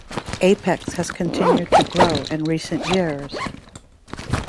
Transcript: Apex has continued to grow in recent years.